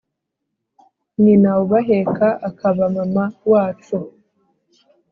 Nyina ubaheka akaba mama wacu